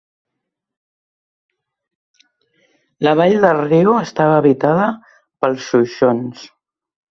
La vall del riu estava habitada pels xoixons.